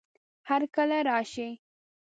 هرکله راشئ!